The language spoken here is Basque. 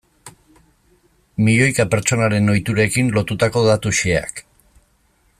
Milioika pertsonaren ohiturekin lotutako datu xeheak.